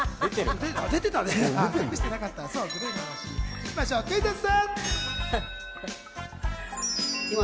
いきましょう、クイズッス！